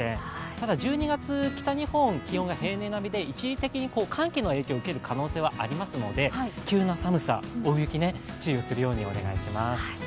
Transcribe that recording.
ただ１２月、北日本、気温は平年並みで一時的に寒気の影響を受ける可能性はありますので、急な寒さ、大雪に注意をするようにお願いします。